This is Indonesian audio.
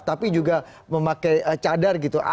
tapi juga memakai cadar gitu